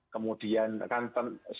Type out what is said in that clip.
kemudian kan sebagai seorang mantan biasa